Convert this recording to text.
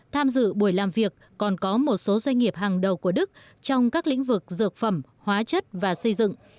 tham dự buổi làm việc còn có một số doanh nghiệp hàng đầu của đức trong các lĩnh vực dược phẩm hóa chất và xây dựng